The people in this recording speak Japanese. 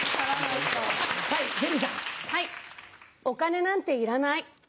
お金なんていらない。